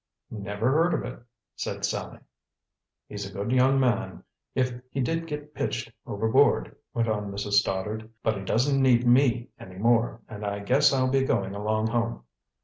"Never heard of it," said Sallie. "He's a good young man, if he did get pitched overboard," went on Mrs. Stoddard. "But he doesn't need me any more, and I guess I'll be going along home."